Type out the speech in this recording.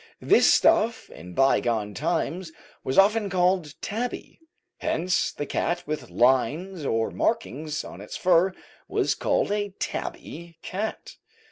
This stuff, in bygone times, was often called "tabby:" hence the cat with lines or markings on its fur was called a "tabby" cat.